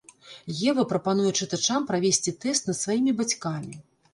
Ева прапануе чытачам правесці тэст над сваімі бацькамі.